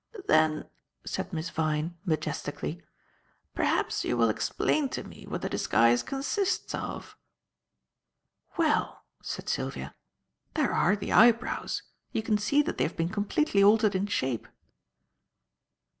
"Then," said Miss Vyne, majestically, "perhaps you will explain to me what the disguise consists of." "Well," said Sylvia, "there are the eyebrows. You can see that they have been completely altered in shape."